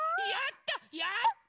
・やった！